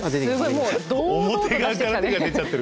表側から手が出ちゃってる。